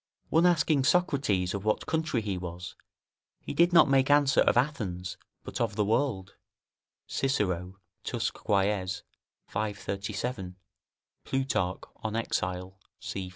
One asking Socrates of what country he was, he did not make answer, of Athens, but of the world; [Cicero, Tusc. Quaes., v. 37; Plutarch, On Exile, c.